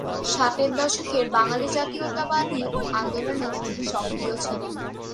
ষাটের দশকের বাঙালি জাতীয়তাবাদী আন্দোলনে তিনি সক্রিয় ছিলেন।